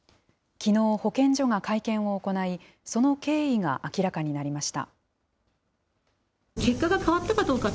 きのう、保健所が会見を行い、その経緯が明らかになりました。